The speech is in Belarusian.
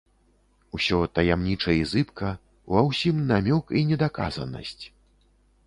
Усё таямніча і зыбка, ва ўсім намёк і недаказанасць.